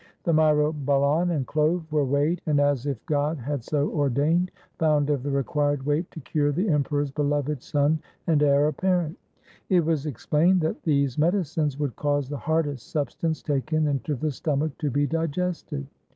The myrobalan and clove were weighed, and, as if God had so ordained, found of the required weight to cure the Emperor's beloved son and heir apparent. It was explained that these medicines would cause the hardest substance taken into the stomach to be digested.